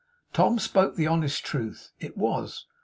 Tom spoke the honest truth. It was.